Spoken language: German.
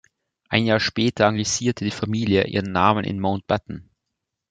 Ein Jahr später anglisierte die Familie ihren Namen in Mountbatten.